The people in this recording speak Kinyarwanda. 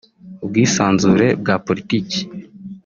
ubwisanzure bwa politiki